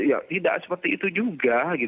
ya tidak seperti itu juga